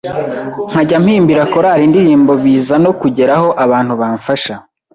nkajya mpimbira korari indirimbo biza no kugera aho abantu bamfasha